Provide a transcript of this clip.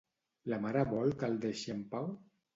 La mare vol que el deixi en pau?